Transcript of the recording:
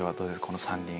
この３人。